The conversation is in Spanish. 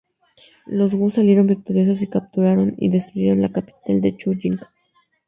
Los Wu salieron victoriosos y capturaron y destruyeron la capital de Chu, Ying.